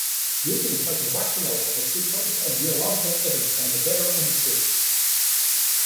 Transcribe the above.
Using such rationale, the sequence of geological events can be better understood.